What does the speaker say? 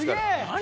何？